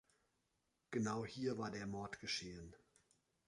Genau hier war der Mord geschehen.